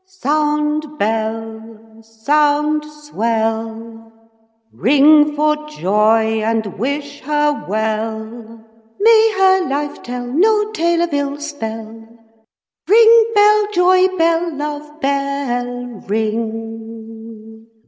Sound, bell! Sound! Swell! Ring for joy and wish her well! May her life tell No tale of ill spell! Ring, bell! Joy, bell! Love, bell! Ring!